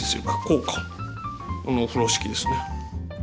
この風呂敷ですね。